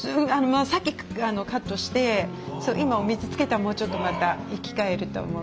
さっきカットして今お水つけたらもうちょっとまた生き返ると思うけど。